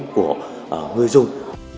của người dùng